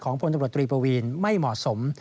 พลตำรวจตรีปวีนไม่เหมาะสม